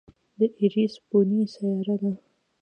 د ایرېس بونې سیاره ده.